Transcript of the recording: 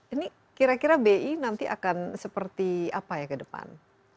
ini kira kira bi nanti akan seperti apa ya ke depan